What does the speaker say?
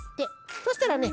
そしたらね